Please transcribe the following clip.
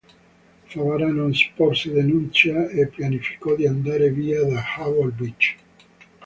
Favara non sporse denuncia e pianificò di andare via da Howard Beach.